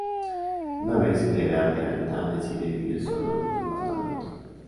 Una vez que le dan de alta decide vivir solo en un departamento.